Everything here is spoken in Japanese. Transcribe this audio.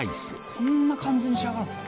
こんな感じに仕上がるんすね。